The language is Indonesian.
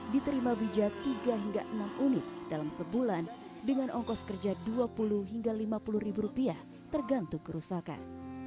diterima bijak tiga hingga enam unit dalam sebulan dengan ongkos kerja dua puluh hingga lima puluh ribu rupiah tergantung kerusakan